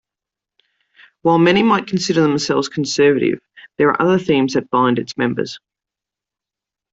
While many might consider themselves conservative, there are other themes that bind its members.